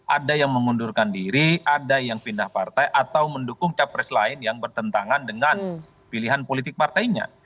ada yang mengundurkan diri ada yang pindah partai atau mendukung capres lain yang bertentangan dengan pilihan politik partainya